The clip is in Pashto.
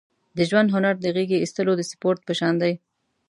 د ژوند هنر د غېږې اېستلو د سپورت په شان دی.